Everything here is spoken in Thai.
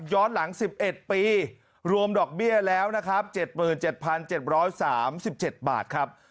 หลัง๑๑ปีรวมดอกเบี้ยแล้วนะครับ๗๗๓๗บาทครับ